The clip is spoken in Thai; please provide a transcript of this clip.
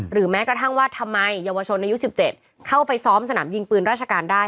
แม้กระทั่งว่าทำไมเยาวชนอายุ๑๗เข้าไปซ้อมสนามยิงปืนราชการได้